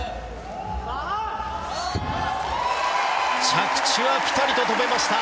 着地はピタリと止めました。